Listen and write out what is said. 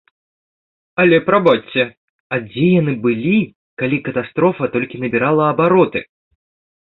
Але прабачце, а дзе яны былі, калі катастрофа толькі набірала абароты?